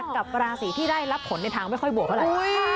กับราศีที่ได้รับผลในทางไม่ค่อยบวกเท่าไหร่